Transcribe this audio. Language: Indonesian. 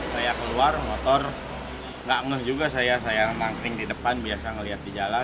saya keluar motor gak ngeh juga saya saya mangkring di depan biasa ngeliat di jalan